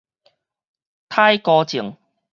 癩⿸疒哥症